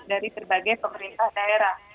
dari terbagai pemerintah daerah